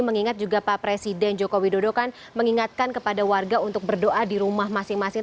mengingat juga pak presiden joko widodo kan mengingatkan kepada warga untuk berdoa di rumah masing masing